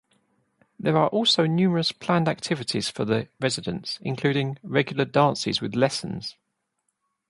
There are also numerous planned activities for the residents, including regular dances with lessons.